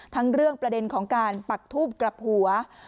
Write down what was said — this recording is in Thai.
ทั้งเรื่องประเด็นของการปักทูบกลับหัว